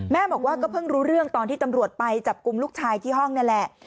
แม่บอกว่าก็เพิ่งรู้เรื่องตอนที่ตำรวจไปจับกลุ่มลูกชายที่ห้องนั่นแหละ